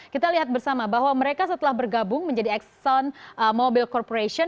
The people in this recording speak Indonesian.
kita lihat bersama bahwa mereka setelah bergabung menjadi exxon mobil corporation